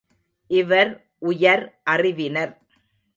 இவர் உயர் அறிவினர்!